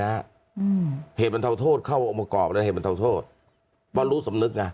อืมเหตุบันเทาโทษเข้าอบกรอบเลยเหตุบันเทาโทษว่ารู้สำนึกน่ะ